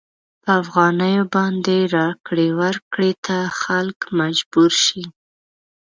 په افغانیو باندې راکړې ورکړې ته خلک مجبور شي.